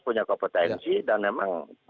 punya kompetensi dan memang